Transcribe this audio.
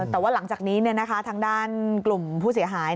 แต่ว่าหลังจากนี้ทางด้านกลุ่มผู้เสียหาย